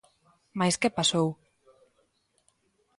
Mais que pasou?